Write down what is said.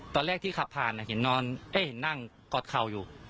ตอนแรกที่ขับผ่านเห็นนั่งกอดเข่าอยู่